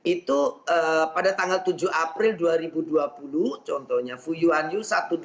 itu pada tanggal tujuh april dua ribu dua puluh contohnya fuyuan yu seribu dua ratus delapan belas